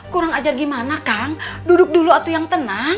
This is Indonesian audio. kurang ajar gimana kang duduk dulu atau yang tenang